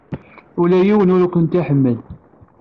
Ula d yiwen ur kent-iḥemmel.